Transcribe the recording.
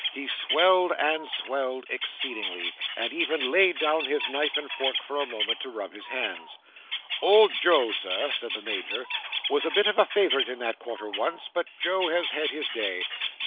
He swelled and swelled, exceedingly: and even laid down his knife and fork for a moment, to rub his hands. "Old Joe, Sir," said the Major, "was a bit of a favourite in that quarter once. But Joe has had his day.